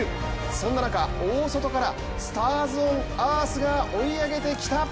そんな中、大外からスターズオンアースが追い上げてきた。